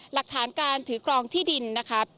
หลักฐานการถือครองที่ดินนะครับ